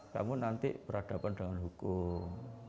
kamu nanti berhadapan dengan hukum